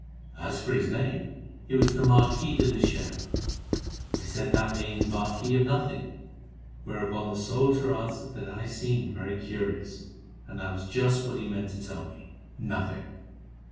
As for his name, it was the Marquis of Nichel. I said that meant Marquis of Nothing, whereon the soldier answered that I seemed very curious, and that was just what he meant to tell me—nothing.